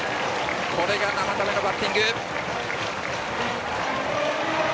これが生田目のバッティング！